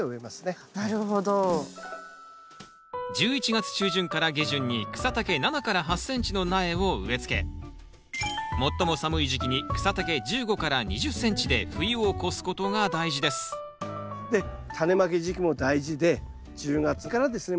１１月中旬から下旬に草丈７８ｃｍの苗を植えつけ最も寒い時期に草丈１５２０ｃｍで冬を越すことが大事ですでタネまき時期も大事で１０月からですね